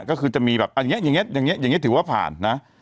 ก็คือจะมีแบบอย่างนี้อย่างนี้อย่างนี้อย่างนี้ถือว่าผ่านนะ